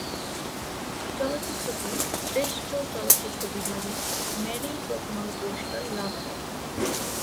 চলচ্চিত্রটি শ্রেষ্ঠ চলচ্চিত্র বিভাগে মেরিল-প্রথম আলো পুরস্কার লাভ করে।